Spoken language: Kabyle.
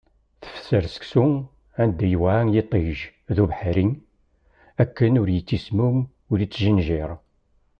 Tefser seksu anda i t-iweɛɛa yiṭij d ubeḥri, akken ur yettismum ur yettjinjiṛ.